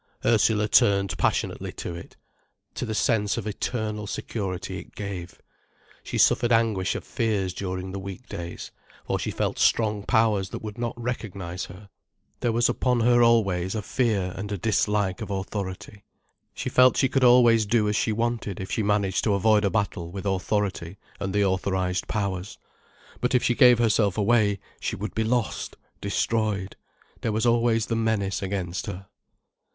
Ursula turned passionately to it, to the sense of eternal security it gave. She suffered anguish of fears during the week days, for she felt strong powers that would not recognize her. There was upon her always a fear and a dislike of authority. She felt she could always do as she wanted if she managed to avoid a battle with Authority and the authorised Powers. But if she gave herself away, she would be lost, destroyed. There was always the menace against her.